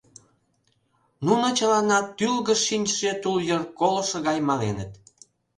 Нуно чыланат тӱлгыж шинчыше тул йыр колышо гай маленыт;